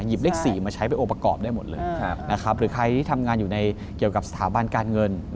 หยิบเลข๔มาใช้ไปโอปกรอบได้หมดเลยหรือใครที่ทำงานอยู่ในเกี่ยวกับสถาบันการเงิน